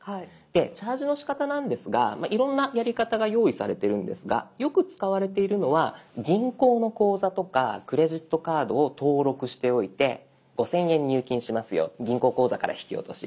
チャージのしかたなんですがいろんなやり方が用意されてるんですがよく使われているのは銀行の口座とかクレジットカードを登録しておいて「５，０００円入金しますよ銀行口座から引き落とし」